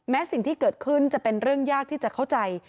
สิ่งที่เกิดขึ้นจะเป็นเรื่องยากที่จะเข้าใจ